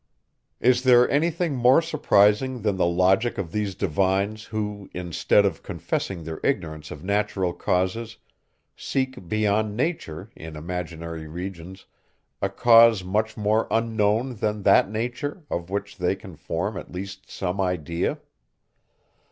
Is there any thing more surprising than the logic of these divines, who, instead of confessing their ignorance of natural causes, seek beyond nature, in imaginary regions, a cause much more unknown than that nature, of which they can form at least some idea?